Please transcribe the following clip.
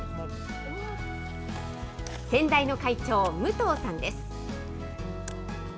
先代の会長、武藤さんです。